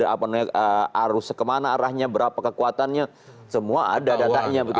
apa namanya arus kemana arahnya berapa kekuatannya semua ada datanya begitu